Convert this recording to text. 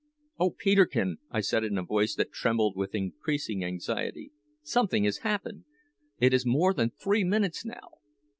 "Oh Peterkin!" I said in a voice that trembled with increasing anxiety, "something has happened. It is more than three minutes now."